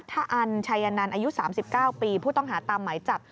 คุณชายนั้นอายุ๓๙ปีผู้ต้องหาตามหมายจาก